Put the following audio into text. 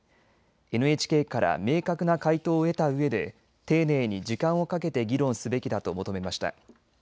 ＮＨＫから明確な回答を得たうえで丁寧に時間をかけて議論すべきだと求めました。